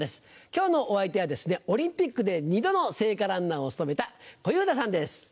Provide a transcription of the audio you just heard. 今日のお相手はですねオリンピックで２度の聖火ランナーを務めた小遊三さんです。